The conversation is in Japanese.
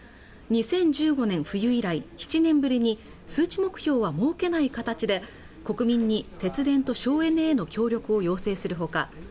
２０１５年冬以来７年ぶりに数値目標は設けない形で国民に節電と省エネへの協力を要請するほか